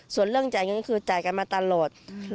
ส่วนเรื่องจ่ายเงินคือจ่ายกันมาตลอด